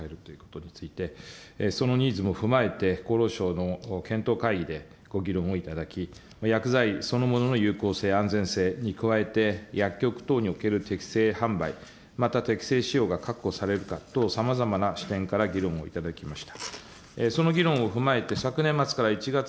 緊急避妊薬のについて、今、処方箋薬局で買えるということについて、そのニーズも踏まえて、厚労省の検討会議でご議論をいただき、薬剤そのものの有効性、安全性に加えて、薬局等における適正販売、また適正使用が確保されるか等、さまざまな視点から議論をいただきました。